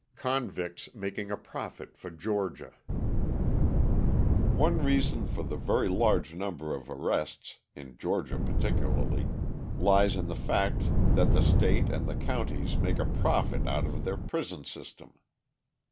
Convicts Making a Profit for Georgia One reason for the very large number of arrests in Georgia particularly lies in the fact that the state and the counties make a profit out of their prison system.